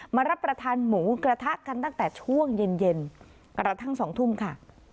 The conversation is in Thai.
รับประทานหมูกระทะกันตั้งแต่ช่วงเย็นเย็นกระทั่ง๒ทุ่มค่ะ